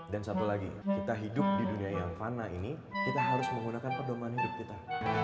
dan satu lagi kita hidup di dunia yang fana ini kita harus menggunakan perdomaan hidup kita